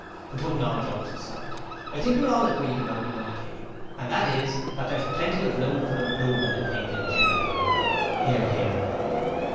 'Putting all jokes aside, I think we're all agreed about one thing, and that is, that there's plenty of room for improvement in things in general. (Hear, hear.)